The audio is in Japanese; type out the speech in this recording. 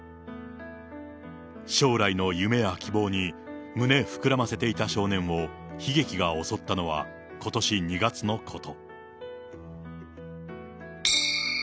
将来の夢や希望に胸膨らませていた少年を悲劇が襲ったのは、ことし２月のこと。